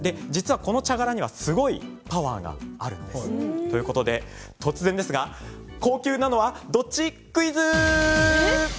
この茶殻にはすごいパワーがあるんです。ということで、突然ですが高級なのはどっちクイズ！